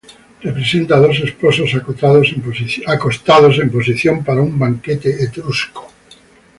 Representa a dos esposos acostados en posición para un banquete etrusco.